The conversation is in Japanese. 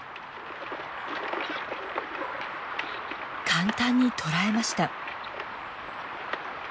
簡単にとらえました。